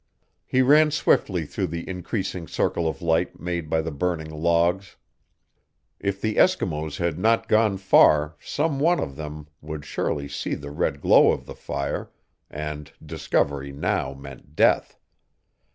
He ran swiftly through the increasing circle of light made by the burning logs. If the Eskimos had not gone far some one of them would surely see the red glow of the fire, and discovery now meant death.